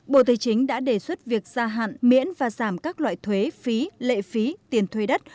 bộ tài chính đã đề xuất việc gia hạn miễn và giảm các loại thuế phí lệ phí tiền thuê đất